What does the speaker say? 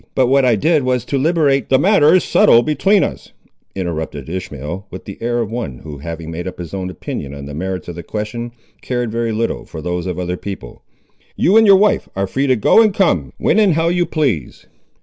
"But what I did was to liberate—" "The matter is settled between us," interrupted Ishmael, with the air of one who, having made up his own opinion on the merits of the question, cared very little for those of other people; "you and your wife are free to go and come, when and how you please.